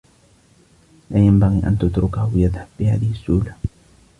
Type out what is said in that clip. لا ينبغي أن تتركه يذهب بهذه السّهولة.